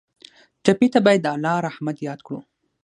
ټپي ته باید د الله رحمت یاد کړو.